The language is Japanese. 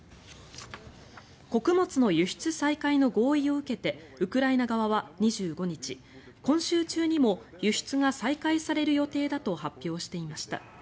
穀物の輸出再開の合意を受けてウクライナ側は２５日今週中にも輸出が再開される予定だと発表していました。